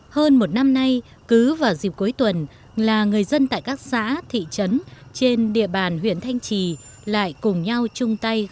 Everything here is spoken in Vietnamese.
hơn một năm nay cứ vào dịp cuối tuần là người dân tại các xã thị trấn trên địa bàn huyện thanh trì lại cùng nhau chung tay